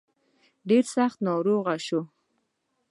ډېر سخت ناروغ شوم.